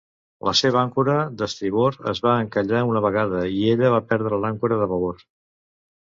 La seva àncora d'estribord es va encallar una vegada, i ella va perdre l'àncora de babord.